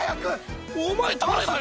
お前誰だよ！